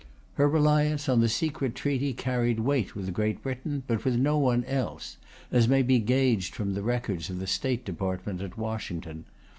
Her reliance on the secret treaty carried weight with Great Britain, but with no one else, as may be gauged from the records of the State Department at Washington.